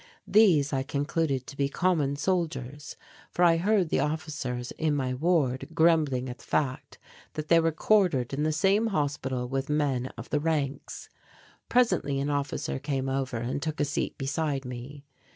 These I concluded to be common soldiers, for I heard the officers in my ward grumbling at the fact that they were quartered in the same hospital with men of the ranks. Presently an officer came over and took a seat beside me.